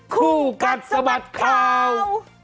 คู่กัดสมัติข้าว